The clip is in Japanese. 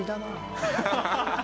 ハハハハッ。